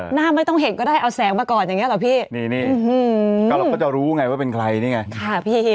หน้าไม่ต้องเห็นก็ได้เอาแสงมาก่อนอย่างเงี้เหรอพี่นี่ก็เราก็จะรู้ไงว่าเป็นใครนี่ไงค่ะพี่